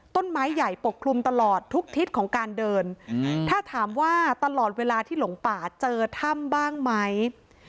ต้นไม้ใหญ่ปกคลุมตลอดทุกทิศของการเดินถ้าถามว่าตลอดเวลาที่หลงป่าเจอถ้ำบ้างไหม